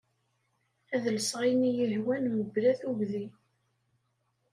Ad lseɣ ayen iyi-hwan mebla tugdi.